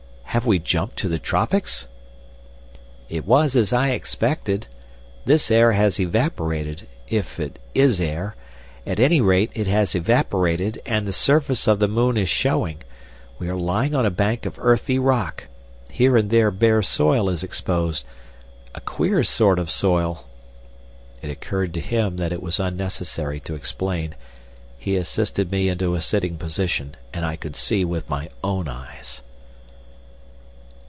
"Have we jumped to the tropics?" "It was as I expected. This air has evaporated—if it is air. At any rate, it has evaporated, and the surface of the moon is showing. We are lying on a bank of earthy rock. Here and there bare soil is exposed. A queer sort of soil!" It occurred to him that it was unnecessary to explain. He assisted me into a sitting position, and I could see with my own eyes.